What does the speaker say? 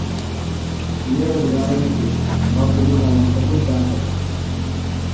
لێرە جغارەی نەکێشی، باوکت بزانێ کەپووت داغ دەکا.